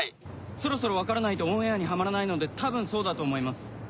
そろそろ分からないとオンエアにハマらないので多分そうだと思います。